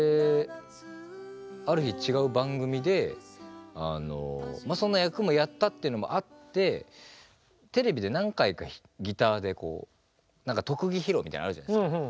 ある日違う番組でそんな役もやったっていうのもあってテレビで何回かギターでこう特技披露みたいなのあるじゃないですか。